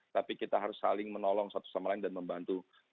tapi kita harus saling menolong satu sama lain dan membantu satu sama lain